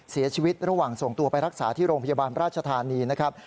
เสียชีวิตระหว่างส่งตัวไปรักษาที่โรงพยาบาลราชธานีนะครับ